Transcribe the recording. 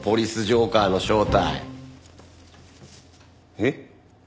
えっ？